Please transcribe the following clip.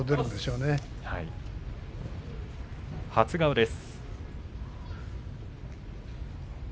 初顔です。